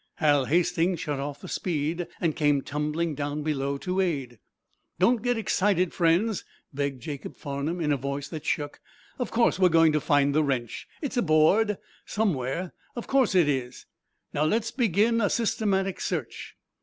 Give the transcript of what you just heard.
Hal Hastings shut off the speed and came tumbling down below to aid. "Don't get excited, friends," begged Jacob Farnum, in a voice that shook. "Of course we're going to find the wrench. It's aboard somewhere of course it is. Now, let's begin a systematic search."